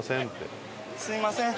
「すみません」